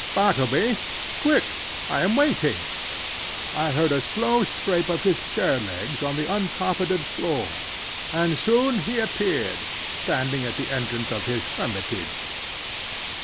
"Bartleby! quick, I am waiting." I heard a slow scrape of his chair legs on the uncarpeted floor, and soon he appeared standing at the entrance of his hermitage.